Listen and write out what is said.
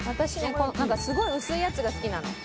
このなんかすごい薄いやつが好きなの。